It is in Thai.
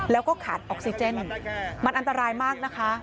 แล้วก็ขาดออกซิเจนมันอันตรายมากนะคะ